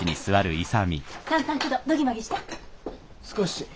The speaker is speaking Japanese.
少し。